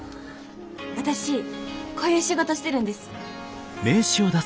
私こういう仕事してるんです。